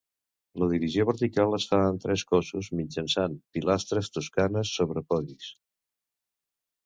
La divisió vertical es fa en tres cossos mitjançant pilastres toscanes sobre podis.